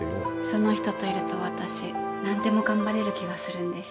その人といると私何でも頑張れる気がするんです。